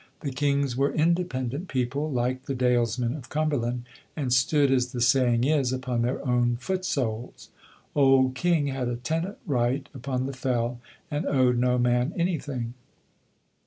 The Kings were independent people, like the dalesmen of Cumberland, and stood, as the saying is, upon their own foot soles. Old King had a tenant right upon the fell, and owed no man anything.